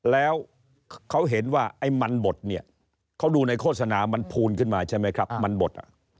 แล้วเขาเห็นว่าไอ้มันบดเนี่ยเขาดูในโฆษณามันพูนขึ้นมาใช่ไหมครับมันบด